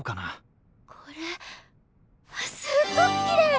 これすっごくきれい！